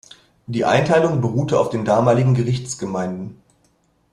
Die Einteilung beruhte auf den damaligen Gerichtsgemeinden.